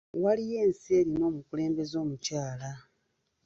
Waliyo ensi erina omukulembeze omukyala.